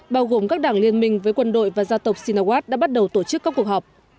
bao gồm các đảng liên minh với quân đội và gia tộc sinawat đã bắt đầu tổ chức các cuộc họp